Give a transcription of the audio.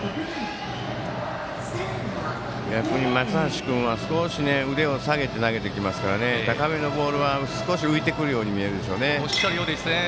逆に松橋君は少し腕を下げて投げるので高めのボールは少し浮いてくるように見えるでしょうね。